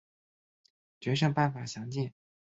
决胜办法详见。